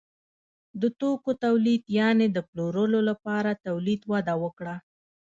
د توکو تولید یعنې د پلورلو لپاره تولید وده وکړه.